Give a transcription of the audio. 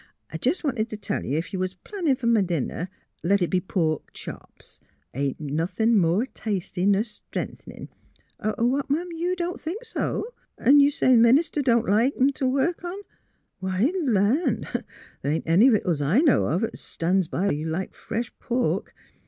I jus' wanted t' tell you, ef you was plannin' f'r my dinner, let it be pork chops. The' ain't nothin' more tasty ner stren'thnin'. ... What, 'm'? You don't think so? 'N' you say th' minister don't like 'em t' work on? Wy, land! th' ain't any vittles I know of 'at stan's by you like fresh pork.